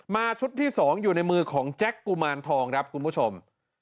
ชุดที่๒อยู่ในมือของแจ็คกุมารทองครับคุณผู้ชม